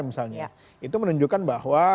misalnya itu menunjukkan bahwa